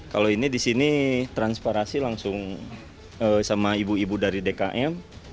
kalau ini di sini transparasi langsung sama ibu ibu dari dkm